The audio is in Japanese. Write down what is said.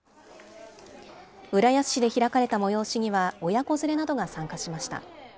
浦安市で開かれた催しには親子連れなどが参加しました。